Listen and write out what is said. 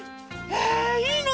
へえいいの？